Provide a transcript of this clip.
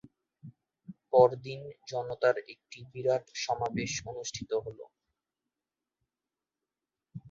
পরদিন জনতার একটি বিরাট সমাবেশ অনুষ্ঠিত হলো।